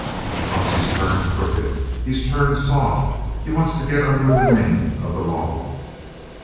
Because he's turned crooked. He's turned soft. He wants to get under the wing of the law."